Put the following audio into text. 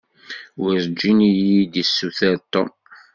Werǧin iyi-d-issuter Tom.